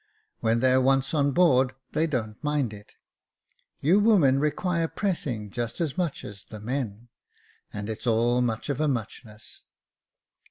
When they're once on board they don't mind it. You women require pressing just as much as the men, and it's all much of a muchness."